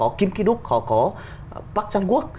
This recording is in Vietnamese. họ có kim ki duk họ có bắc trang quốc